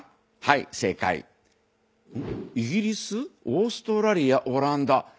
イギリスオーストラリアオランダ。